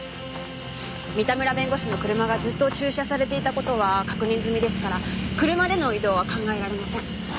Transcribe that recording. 三田村弁護士の車がずっと駐車されていた事は確認済みですから車での移動は考えられません。